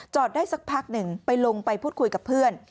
ได้สักพักหนึ่งไปลงไปพูดคุยกับเพื่อน